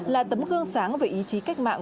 là tấm gương sáng về ý chí cách mạng